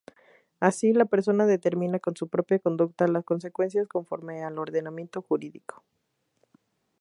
Así, la persona determina con su propia conducta las consecuencias, conforme al ordenamiento jurídico.